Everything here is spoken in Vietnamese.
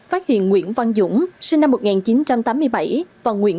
phát hiện nguyễn văn dũng sinh năm một nghìn chín trăm tám mươi bảy